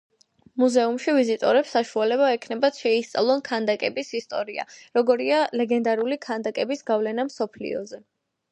მუზეუმში ვიზიტორებს საშუალება ექნებათ შეისწავლონ ქანდაკების ისტორია, – როგორია ლეგენდარული ქანდაკების გავლენა მსოფლიოზე.